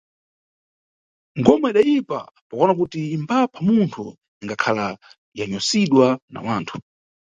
Ngoma idayipa pakuwona kuti imbapha munthu ingakhala yanyosidwa na wanthu.